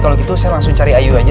kalau gitu saya langsung cari ayu aja